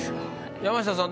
山下さん